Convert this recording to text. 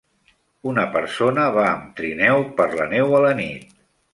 Una persona va amb trineu per la neu a la nit.